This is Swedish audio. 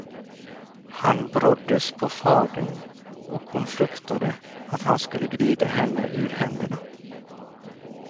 Han bråddes på fadern, och hon fruktade, att han skulle glida henne ur händerna.